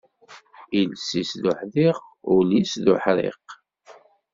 Iles-is d uḥdiq, ul is d uḥriq.